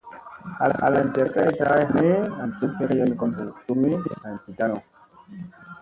Halan jakkay taa ay halli, an cuk tlegeyen kon hu cukgi an gi tanu.